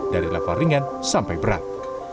dari level ringan sampai berat